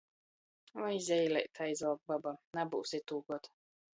"Oi, zeileit," aizvalk baba, nabyus itūgod